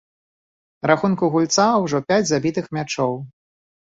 На рахунку гульца ўжо пяць забітых мячоў.